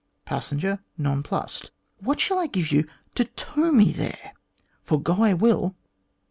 Passenger (nonplussed): "What shall I give you to tow me there? for go I will."